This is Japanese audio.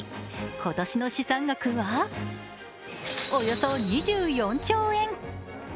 今年の資産額はおよそ２４兆円。